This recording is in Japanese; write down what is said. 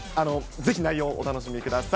ぜひ内容、お楽しみください。